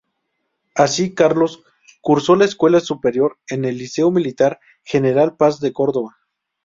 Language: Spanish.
Así, Carlos cursó la escuela superior en el Liceo Militar General Paz de Córdoba.